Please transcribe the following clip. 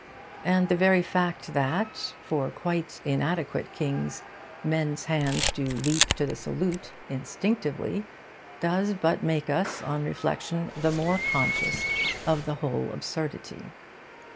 And the very fact that for quite inadequate kings men's hands do leap to the salute, instinctively, does but make us, on reflection, the more conscious of the whole absurdity.